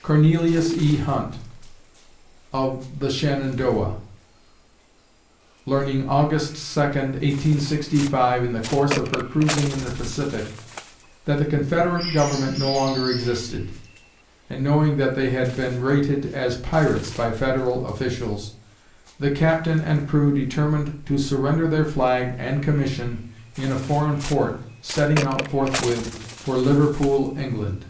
CORNELIUS E. HUNT (Of "The Shenandoah") [Learning Aug. 2, 1865, in the course of her cruising in the Pacific, that the Confederate government no longer existed, and knowing that they had been rated as "pirates" by Federal officials, the captain and crew determined to surrender their flag and commission in a foreign port, setting out forthwith for Liverpool, England.